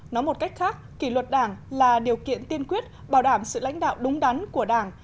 nói một cách khác kỷ luật đảng là điều kiện tiên quyết bảo đảm sự lãnh đạo đúng đắn của đảng